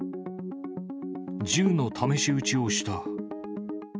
銃の試し撃ちをした。